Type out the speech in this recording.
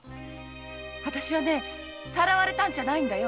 私はねさらわれたんじゃないんだよ。